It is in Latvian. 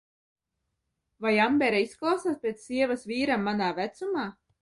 Vai Ambera izklausās pēc sievas vīram manā vecumā?